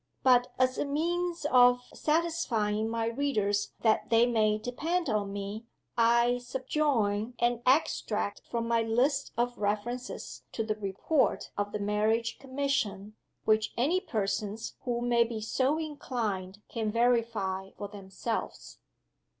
But as a means of satisfying my readers that they may depend on me, I subjoin an extract from my list of references to the Report of the Marriage Commission, which any persons who may be so inclined can verify for themselves.